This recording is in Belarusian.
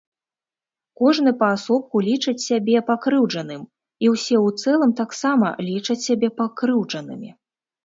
Кожны паасобку лічыць сябе пакрыўджаным і ўсе ў цэлым таксама лічаць сябе пакрыўджанымі.